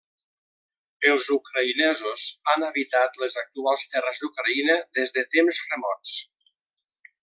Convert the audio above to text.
Els ucraïnesos han habitat les actuals terres d'Ucraïna des de temps remots.